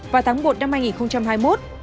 vào tháng một năm hai nghìn hai mươi một